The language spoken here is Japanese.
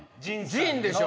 陣でしょ。